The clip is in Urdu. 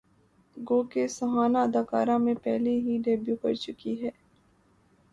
گوکہ سہانا اداکاری میں پہلے ہی ڈیبیو کرچکی ہیں